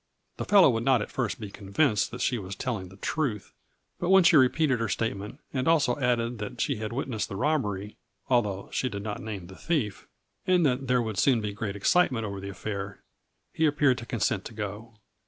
The fellow would not at first be convinced that she was telling the truth, but when she repeated her statement, and also added that she had witnessed the robbery, (although she did not name the thief) and that there would soon be great excitement over the affair, he appeared to consent to go.